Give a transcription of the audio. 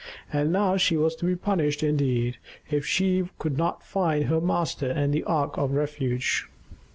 And now she was to be punished indeed, if she could not find her master and the ark of refuge.